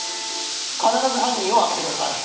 必ず犯人を挙げてください。